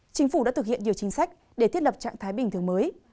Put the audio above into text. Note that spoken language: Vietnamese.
chính phủ đã thực hiện nhiều chính sách để thiết lập trạng thái bình thường mới